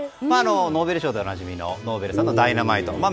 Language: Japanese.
ノーベル賞でおなじみのノーベルさんのダイナマイト。